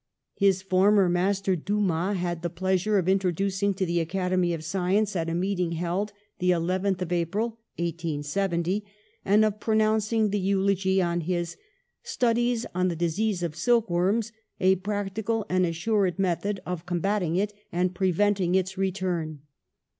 His former mas ter, Dumas, had the pleasure of introducing to the Academy of Sciences at a meeting held the 11th of April, 1870, and of pronouncing the eulogy on his Studies on the Disease of Silk worms, a practical and assured Method of com batting it and preventing its Retur7i.